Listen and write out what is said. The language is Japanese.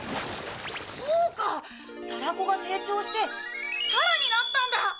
そうかタラコが成長してタラになったんだ！